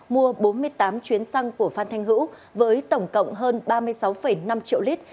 mua bốn mươi tám chuyến xăng của phan thanh hữu với tổng cộng hơn ba mươi sáu năm triệu lít